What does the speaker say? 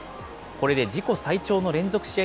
これで自己最長の連続試合